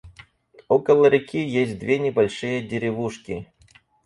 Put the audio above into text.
Около реки есть две небольшие деревушки.